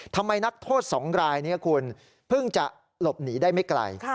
นักโทษ๒รายนี้คุณเพิ่งจะหลบหนีได้ไม่ไกล